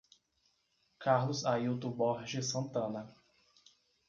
Carlos Ailto Borges Santana